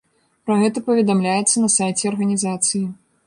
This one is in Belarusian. Пра гэта паведамляецца на сайце арганізацыі.